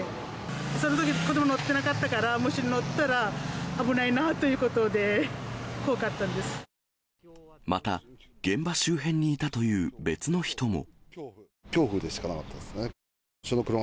そのとき、子ども乗ってなかったからもし乗ってたら、危ないなということで、また、現場周辺にいたという別の人も。